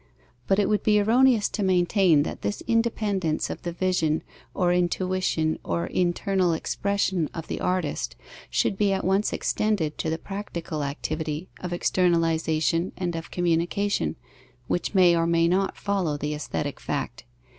But it would be erroneous to maintain that this independence of the vision or intuition or internal expression of the artist should be at once extended to the practical activity of externalization and of communication, which may or may not follow the aesthetic fact.